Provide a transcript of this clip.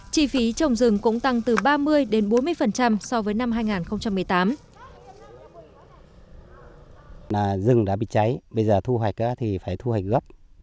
chi phí trồng rừng cũng tăng từ ba mươi đến bốn mươi so với năm hai nghìn một mươi tám